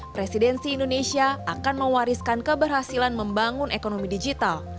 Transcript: presidensi indonesia akan mewariskan keberhasilan membangun ekonomi digital